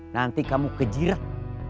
nanti kamu kejirat